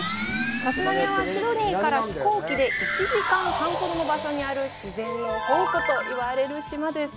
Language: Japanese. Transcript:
タスマニアはシドニーから飛行機で１時間半ほどの場所にある自然の宝庫といわれる島です。